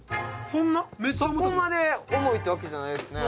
「そこまで重いってわけじゃないですね」